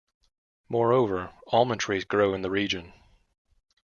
Moreover, almond trees grow in the region.